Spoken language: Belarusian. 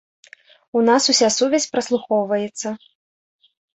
У нас уся сувязь праслухоўваецца.